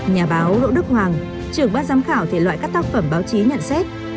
nhà báo đỗ đức hoàng trưởng bát giám khảo thể loại các tác phẩm báo chí nhận xét